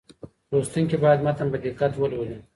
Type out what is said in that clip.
لوستونکي باید متن په دقت ولولي.